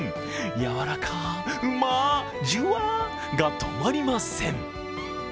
やわらか、うま、じゅわが止まりません。